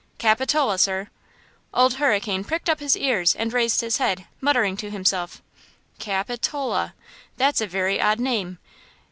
"Capitola, sir." Old Hurricane pricked up his ears and raised his head, muttering to himself: "Cap it o la! That's a very odd name!